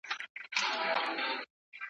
ګواکي ټول بد عادتونه ورک سول ولاړه,